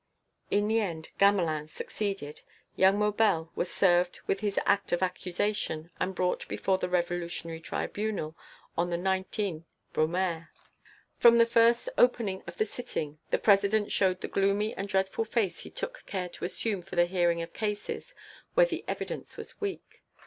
In the end Gamelin succeeded. Young Maubel was served with his act of accusation and brought before the Revolutionary Tribunal on the 19 Brumaire. From the first opening of the sitting the President showed the gloomy and dreadful face he took care to assume for the hearing of cases where the evidence was weak.